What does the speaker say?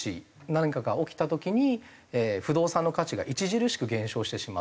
何かが起きた時に不動産の価値が著しく減少してしまう。